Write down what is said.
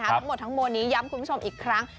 ทั้งหมดทั้งมวลนี้ย้ำคุณผู้ชมอีกครั้ง